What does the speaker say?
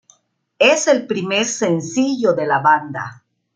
Es el primer sencillo de la banda.